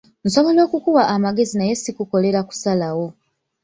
Nsobola okukuwa amagezi naye si kukolera kusalawo.